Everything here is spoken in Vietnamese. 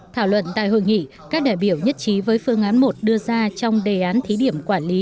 thảo luận tại hội nghị các đại biểu nhất trí với phương án một đưa ra trong đề án thí điểm quản lý